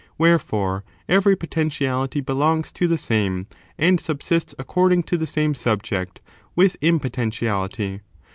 Wherefore, every potentiality belongs to the same, and subsists according to the same subject with im poteutiality.